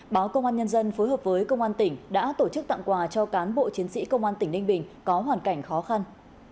báo công an nhân dân phối hợp với công an tỉnh đã tổ chức tặng quà cho cán bộ chiến sĩ công an tỉnh ninh bình có hoàn cảnh khó khăn